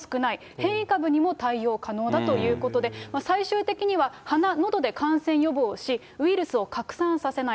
変異株にも対応可能だということで、最終的には鼻、のどで感染予防し、ウイルスを拡散させない。